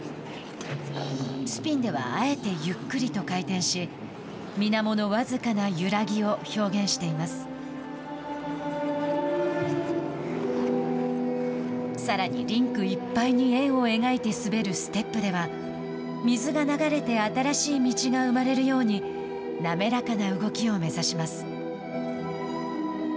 スピンではあえてゆっくりと回転し水面の僅かな揺らぎをさらに、リンクいっぱいに円を描いて滑るステップでは水が流れて新しい道が生まれるように滑らかな動きを目指します。